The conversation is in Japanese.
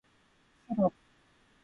セロリ